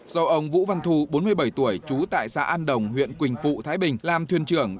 do ông vũ văn thu bốn mươi bảy tuổi trú tại xã an đồng huyện quỳnh phụ thái bình làm thuyền trưởng